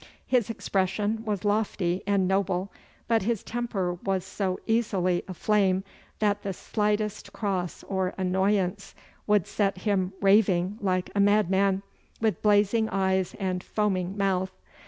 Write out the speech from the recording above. His expression was lofty and noble, but his temper was so easily aflame that the slightest cross or annoyance would set him raving like a madman, with blazing eyes and foaming mouth.